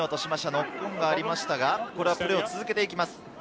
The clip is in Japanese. ノックオンがありましたが、プレーを続けていきます。